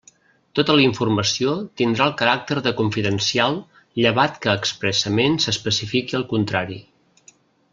Tota la informació tindrà el caràcter de confidencial llevat que expressament s'especifiqui el contrari.